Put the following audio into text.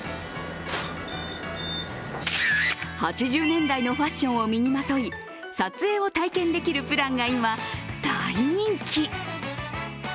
８０年代のファッションを身にまとい、撮影を体験できるプランが今、大人気。